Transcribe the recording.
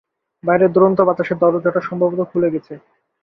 বাইরের দুরন্ত বাতাসে দরজাটা সম্ভবত খুলে গেছে।